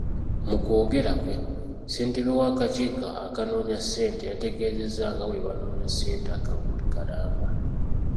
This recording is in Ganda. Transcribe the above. Mu kwogera kwe, ssentebe w'akakiiko akanoonya ssente, yategeezezza nga bwe banoonya ssente akawumbi kalamba.